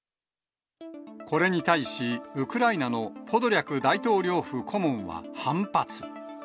これに対し、ウクライナのポドリャク大統領府顧問は反発。